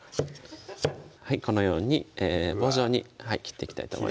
このように棒状に切っていきたいと思います